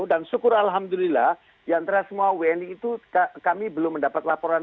dan syukur alhamdulillah di antara semua wni itu kami belum mendapat laporan